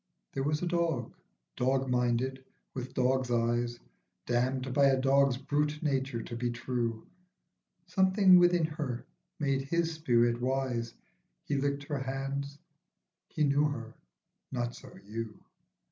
There was a dog, dog minded, with dog's eyes, Damned by a dog's brute nature to be true. Something within her made his spirit wise; He licked her hand, he knew her; not so you.